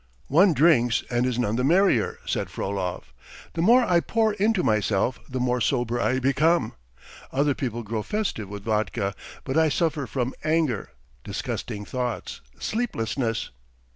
"One drinks and is none the merrier," said Frolov. "The more I pour into myself, the more sober I become. Other people grow festive with vodka, but I suffer from anger, disgusting thoughts, sleeplessness.